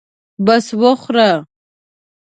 بس وخوره.